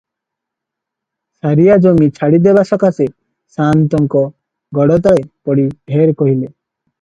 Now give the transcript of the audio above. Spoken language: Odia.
ସାରିଆ ଜମି ଛାଡ଼ିଦେବା ସକାଶେ ସାଆନ୍ତଙ୍କ ଗୋଡ଼ତଳେ ପଡି ଢେର କହିଲେ ।